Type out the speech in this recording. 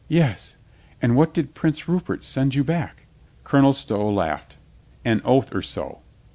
"Yes !... And what did Prince Rupert send you back?" Colonel Stow laughed. "An oath or so."